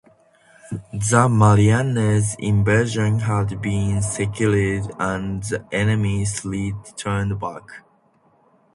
The Marianas invasion had been secured and the enemy threat turned back.